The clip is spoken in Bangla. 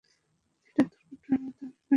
এটা দুর্ঘটনার মতো মনে হবে।